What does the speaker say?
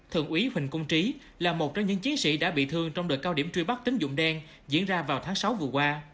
thượng úy huỳnh cung trí là một trong những chiến sĩ đã bị thương trong đợt cao điểm truy bắt tính dụng đen diễn ra vào tháng sáu vừa qua